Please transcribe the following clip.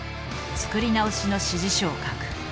作り直しの指示書を書く。